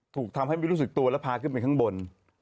ถูกทำให้ไม่รู้สึกตัวแล้วพาขึ้นไปข้างบน